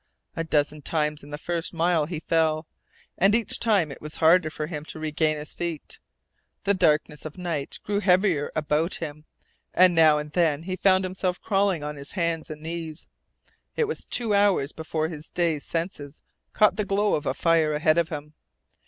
A dozen times in the first mile he fell, and each time it was harder for him to regain his feet. The darkness of night grew heavier about him, and now and then he found himself crawling on his hands and knees. It was two hours before his dazed senses caught the glow of a fire ahead of him.